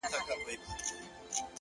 نیک اخلاق د انسان وقار لوړوي.!